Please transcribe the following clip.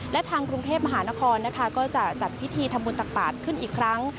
และทางกรุงเทพมหานครนะคะก็จะจัดพิธีทำบุญตักบาทขึ้นอีกครั้ง